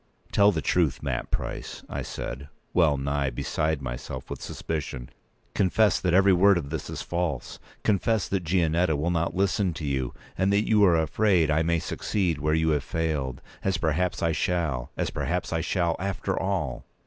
"Tell the truth, Mat Price," I said, well nigh beside myself with suspicion. "Confess that every word of this is false! Confess that Gianetta will not listen to you, and that you are afraid I may succeed where you have failed. As perhaps I shall—as perhaps I shall, after all!"